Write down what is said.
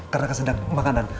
karena kesedak makanan